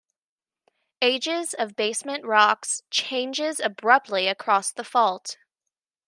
Ages of basement rocks changes abruptly across the fault.